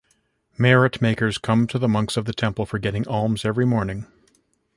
Merit makers come to the monks of the temple for getting alms every morning.